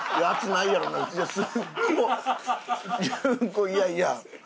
いやいや。